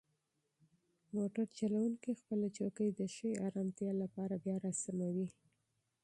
موټر چلونکی خپله چوکۍ د ښې ارامتیا لپاره بیا راسموي.